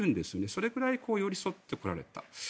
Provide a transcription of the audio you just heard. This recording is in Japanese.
それぐらい寄り添ってこられた。